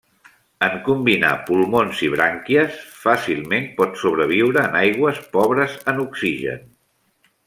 En combinar pulmons i brànquies fàcilment pot sobreviure en aigües pobres en oxigen.